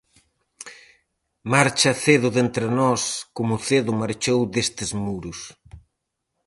Marcha cedo de entre nós como cedo marchou destes muros.